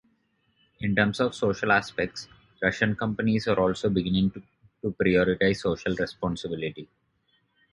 In terms of social aspects, Russian companies are also beginning to prioritize social responsibility.